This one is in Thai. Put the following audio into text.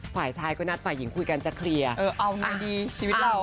ฝ่ายชายก็นัดฝ่ายหญิงคุยกันจะเคลียร์